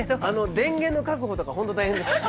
電源の確保とか本当大変でした。